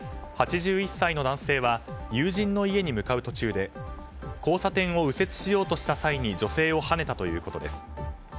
８１歳の男性は友人の家に向かう途中で交差点を右折しようとした際に女性をはねたということです。